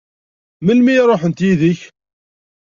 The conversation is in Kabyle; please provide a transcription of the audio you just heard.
Melmi i ṛuḥent yid-k?